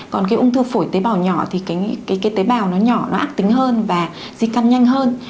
còn cái ung thư phổi tế bào nhỏ thì cái tế bào nó nhỏ nó ác tính hơn và di căn nhanh hơn